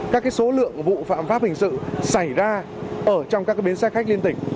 các số lượng vụ phạm pháp hình sự xảy ra ở trong các bến xe khách liên tỉnh